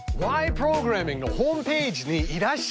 プログラミング」のホームページにいらっしゃい！